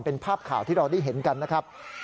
เป็นภาพข่าวที่เราได้เห็นกันนะครับ